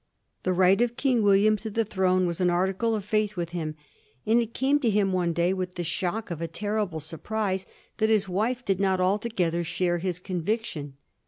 The right of King William to the Throne was an article of faith with him, and it came on him one day with the shock of a terrible surprise that his wife did not altogether share his conviction.